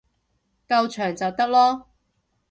夠長就得囉